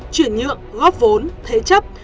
chuyển nhượng góp vốn thế chấp